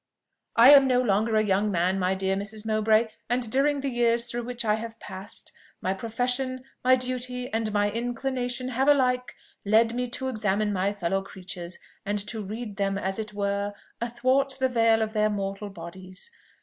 "I am no longer a young man, my dear Mrs. Mowbray; and during the years through which I have passed, my profession, my duty, and my inclination have alike led me to examine my fellow creatures, and to read them, as it were, athwart the veil of their mortal bodies.